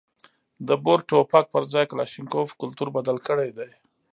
د بور ټوپک پر ځای کلاشینکوف کلتور بدل کړی دی.